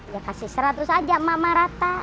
ya kasih seratus aja emak emak rata